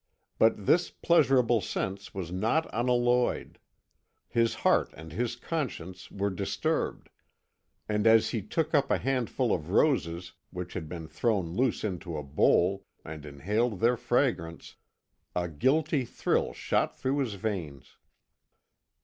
But this pleasurable sense was not unalloyed. His heart and his conscience were disturbed, and as he took up a handful of roses which had been thrown loose into a bowl and inhaled their fragrance, a guilty thrill shot through his veins.